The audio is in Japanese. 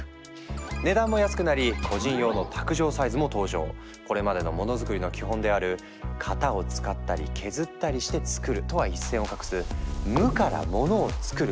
値段も安くなり個人用のこれまでのモノづくりの基本である「型を使ったり削ったりしてつくる」とは一線を画す「無からモノをつくる」